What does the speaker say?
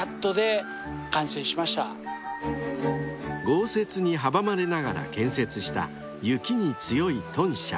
［豪雪に阻まれながら建設した雪に強い豚舎］